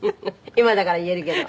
今だから言えるけど。